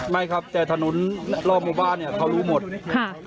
ไม่ครับแต่ถนนรอบหมู่บ้านเนี่ยเขารู้หมดค่ะ